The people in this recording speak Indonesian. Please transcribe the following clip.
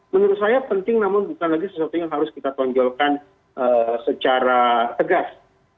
menurut saya penting namun bukan lagi sesuatu yang harus kita tonjolkan secara tegas